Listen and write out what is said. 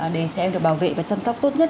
để trẻ em được bảo vệ và chăm sóc tốt nhất